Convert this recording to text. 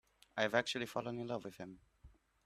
I've actually fallen in love with him.